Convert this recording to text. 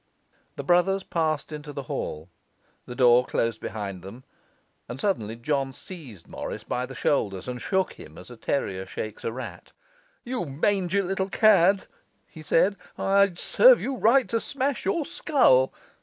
The brothers passed into the hall, the door closed behind them; and suddenly John seized Morris by the shoulders and shook him as a terrier shakes a rat. 'You mangy little cad,' he said, 'I'd serve you right to smash your skull!